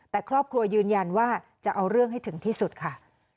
แต่ครอบครัวยืนยันว่าจะเอาเรื่องให้ถึงที่สุดค่ะ